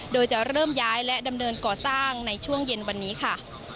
โดยจะเริ่มย้ายและดำเนินก่อสร้างในช่วงเย็นวันนี้ค่ะ